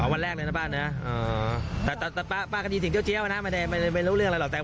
วันแรกเลยนะป้าเนี่ยแต่ป้ากดีสิ่งเจ้าเจี้ยวนะไม่รู้เรื่องอะไรหรอก